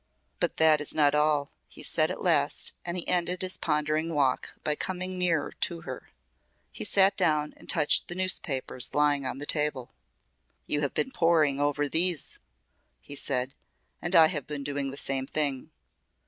"But that is not all," he said at last and he ended his pondering walk by coming nearer to her. He sat down and touched the newspapers lying on the table. "You have been poring over these," he said, "and I have been doing the same thing.